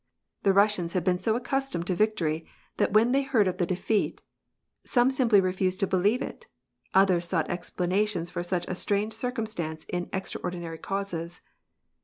The Russians had been accustomed to victory, that when they heard of jthe defeat, il fee simply refused to believe it, others sought explanations such a strange circumstance in extraordinary causes.